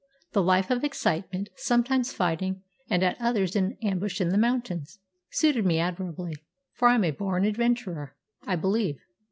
The life of excitement, sometimes fighting and at others in ambush in the mountains, suited me admirably, for I'm a born adventurer, I believe.